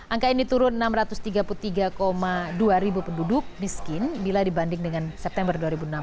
angka ini turun enam ratus tiga puluh tiga dua ribu penduduk miskin bila dibanding dengan september dua ribu enam belas